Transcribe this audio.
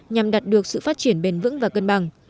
nhằm đạt được sự phát triển bền vững và cân bằng